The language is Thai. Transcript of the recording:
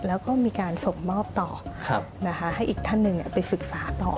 แล้วก็มีการส่งมอบต่อให้อีกท่านหนึ่งไปศึกษาต่อ